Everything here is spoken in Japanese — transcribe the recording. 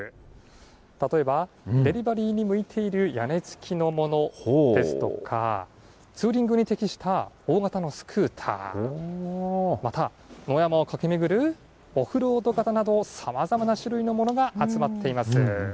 例えば、デリバリーに向いている屋根付きのものですとか、ツーリングに適した大型のスクーター、また、野山を駆け巡るオフロード型など、さまざまな種類のものが集まっています。